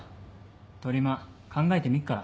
とりま考えてみっから。